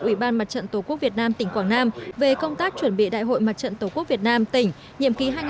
ủy ban mặt trận tổ quốc việt nam tỉnh quảng nam về công tác chuẩn bị đại hội mặt trận tổ quốc việt nam tỉnh